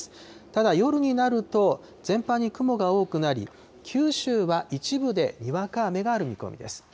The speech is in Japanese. ただ夜になると、全般に雲が多くなり、九州は一部でにわか雨がある見込みです。